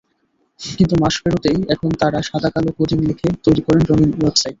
কিন্তু মাস পেরোতেই এখন তাঁরা সাদাকালো কোডিং লিখে তৈরি করেন রঙিন ওয়েবসাইট।